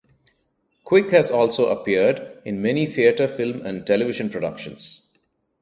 Quick has also appeared in many theatre, film and television productions.